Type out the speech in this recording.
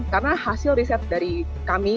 karena hasil riset dari kami